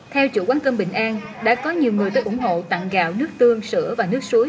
theo chủ quán cơm bình an đã có nhiều người tới ủng hộ tặng gạo nước tương sửa và nước suối